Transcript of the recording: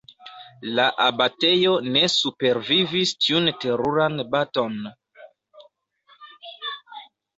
La abatejo ne supervivis tiun teruran baton.